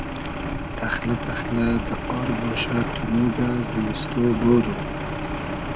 تئخلۂ تئخلۂ دۂ آر گۉشۂ تونوگۂ زیمیستۉ بورو